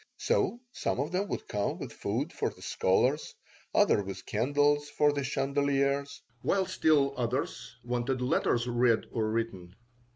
So some of them would come with food for the scholars, others with candles for the chandeliers, while still others wanted letters read or written.